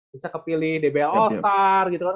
bisa kepilih dbl ostar gitu kan